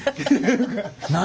何？